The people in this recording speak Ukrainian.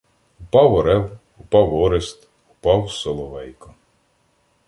Упав Орел, упав Орест, Упав Соловейко.